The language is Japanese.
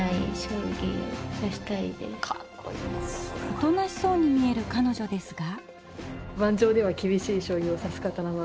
おとなしそうに見えるかのじょですが。